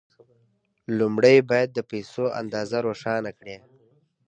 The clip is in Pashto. لومړی باید د پيسو اندازه روښانه کړئ.